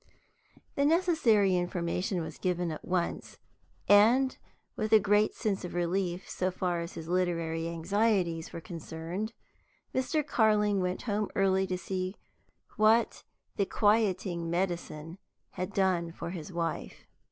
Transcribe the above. The necessary information was given at once, and, with a great sense of relief, so far as his literary anxieties were concerned, Mr. Carling went home early to see what the quieting medicine had done for his wife.